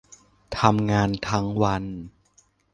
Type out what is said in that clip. ทำงานทั้งวัน